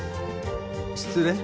失礼。